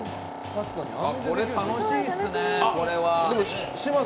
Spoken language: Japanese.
これ楽しいっすね、これは。